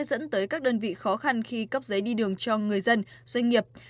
dẫn tới các đơn vị khó khăn khi cấp giấy đi đường cho người dân doanh nghiệp